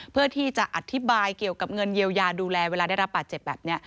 เพื่อที่จะอธิบายเกี่ยวกับเงินเยียวยาดูแลเวลาได้รับบาดเจ็บแบบนี้